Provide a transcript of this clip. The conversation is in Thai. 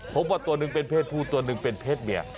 พบว่าตัวหนึ่งเป็นเพศผู้ตัวหนึ่งเป็นเพศเมีย